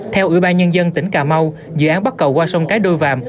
theo ủy ban nhân dân tỉnh cà mau dự án bắt cầu qua sông cái đôi vàm